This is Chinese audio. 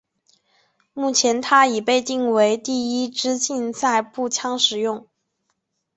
目前它已被定位为一枝竞赛步枪使用。